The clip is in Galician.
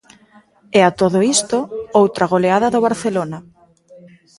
E a todo isto, outra goleada do Barcelona.